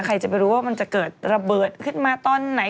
ใครจะไปรู้ว่ามันจะเกิดระเบิดขึ้นมาตอนไหน